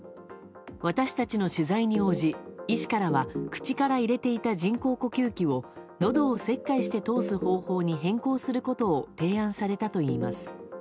私たちの取材に応じ医師からは口から入れていた人工呼吸器をのどを切開して通す方法に変更することを提案されたといいます。